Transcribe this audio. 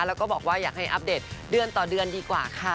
แล้วก็บอกว่าอยากให้อัปเดตเดือนต่อเดือนดีกว่าค่ะ